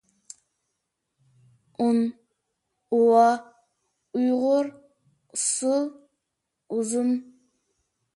ئۇن، ئۇۋا، ئۇيغۇر، ئۇسسۇل، ئۇزۇن.